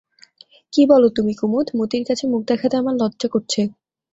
কী বলো তুমি কুমুদ, মতির কাছে মুখ দেখাতে আমার লজ্জা করছে!